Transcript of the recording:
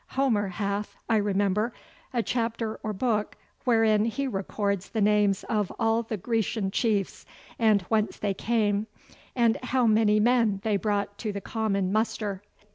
Homer hath, I remember, a chapter or book wherein he records the names of all the Grecian chiefs and whence they came, and how many men they brought to the common muster.